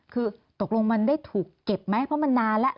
คือตกลงมันได้ถูกเก็บไหมเพราะมันนานแล้ว